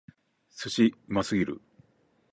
寿司！うますぎる！